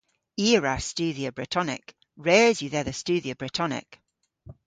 I a wra studhya Bretonek. Res yw dhedha studhya Bretonek.